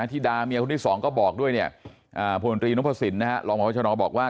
ที่ดาเมียคุณที่๒ก็บอกด้วยเนี่ยผลิตรีนพฤศิลป์นะลองหมอพจนบอกว่า